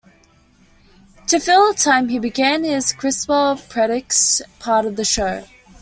To fill the time, he began his "Criswell Predicts" part of the show.